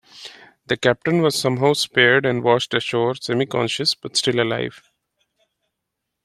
The Captain was somehow spared and washed ashore semi-conscious, but still alive.